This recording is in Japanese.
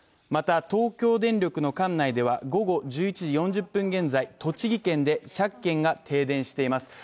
また東京電力の管内では、午後１１時４０分現在、栃木県で１００軒が停電しています